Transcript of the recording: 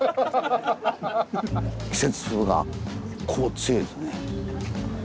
季節風がこう強いですね。